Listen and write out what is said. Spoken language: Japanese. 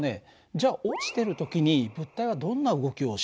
じゃあ落ちてる時に物体はどんな動きをしてると思う？